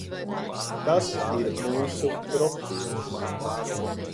Tas ir mūsu profils.